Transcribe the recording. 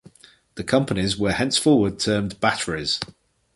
Their companies were henceforward termed batteries.